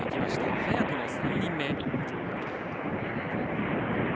早くも３人目。